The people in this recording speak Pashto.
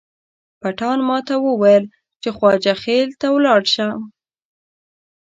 پټان ماته وویل چې خواجه خیل ته ولاړ شم.